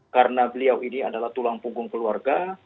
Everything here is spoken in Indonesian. karena beliau ini adalah tulang punggung keluarga